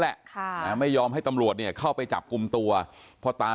แหละค่ะนะไม่ยอมให้ตำรวจเนี่ยเข้าไปจับกลุ่มตัวพ่อตา